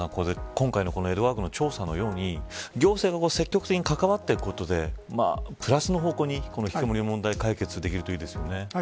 今回の江戸川区の調査のように行政の方が積極的に関わっていくことでプラスな方向にひきこもりな問題が解決できるといいですね。